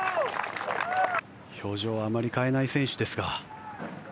表情はあまり変えない選手ですが。